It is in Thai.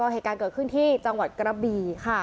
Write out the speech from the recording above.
เหตุการณ์เกิดขึ้นที่จังหวัดกระบี่ค่ะ